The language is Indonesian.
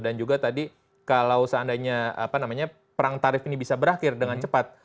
dan juga tadi kalau seandainya perang tarif ini bisa berakhir dengan cepat